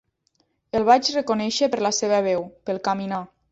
El vaig reconèixer per la seva veu, pel caminar.